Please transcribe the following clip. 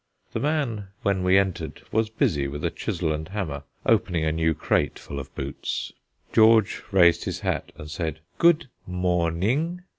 The man, when we entered, was busy with a chisel and hammer opening a new crate full of boots. George raised his hat, and said "Good morning."